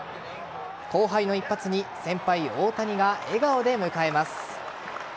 後輩の一発に先輩・大谷が笑顔で迎えます。